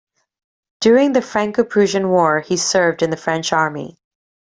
During the Franco-Prussian War, he served in the French army.